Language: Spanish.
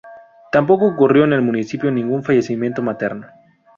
Tampoco ocurrió en el municipio ningún fallecimiento materno.